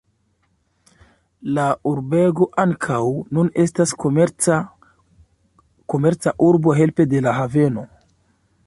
La urbego ankaŭ nun estas komerca urbo helpe de la haveno.